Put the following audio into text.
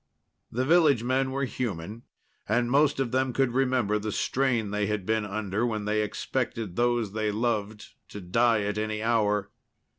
The village men were human, and most of them could remember the strain they had been under when they expected those they loved to die at any hour.